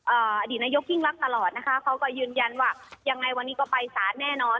อดีตนายกยิ่งรักตลอดนะคะเขาก็ยืนยันว่ายังไงวันนี้ก็ไปสารแน่นอน